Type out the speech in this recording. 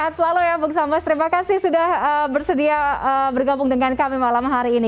sehat selalu ya bung sambas terima kasih sudah bersedia bergabung dengan kami malam hari ini